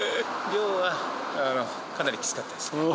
量はかなりきつかったです。